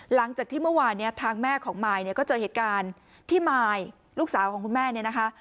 หลังจากที่เมื่อวานเนี่ยทางแม่ของมายเนี่ยก็เจอเหตุการณ์ที่มายลูกสาวของคุณแม่เนี่ยนะคะ